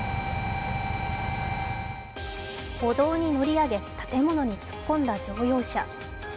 歩道に乗り上げ建物に突っ込んだ乗用車。